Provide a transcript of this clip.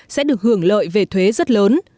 sẽ được hưởng lợi về thuế rất lớn